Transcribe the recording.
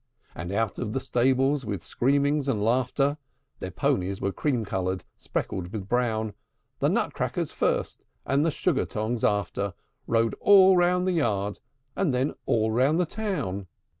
And out of the stable, with screamings and laughter (Their ponies were cream colored, speckled with brown), The Nutcrackers first, and the Sugar tongs after; Rode all round the yard, and then all round the town.